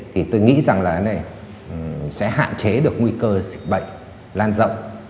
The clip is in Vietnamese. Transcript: thì tôi nghĩ rằng là sẽ hạn chế được nguy cơ dịch bệnh lan rộng